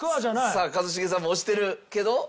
さあ一茂さんも押してるけど。